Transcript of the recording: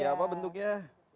seperti apa bentuknya